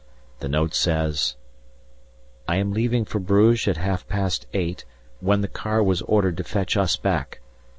The note says: "I am leaving for Bruges at half past eight, when the car was ordered to fetch us back.